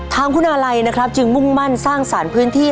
ทางคุณอาลัยนะครับจึงมุ่งมั่นสร้างสารพื้นที่